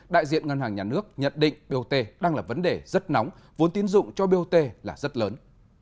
đại diện ngân hàng nhà nước nhận định bot đang là vấn đề rất nóng vốn tiến dụng cho bot là rất lớn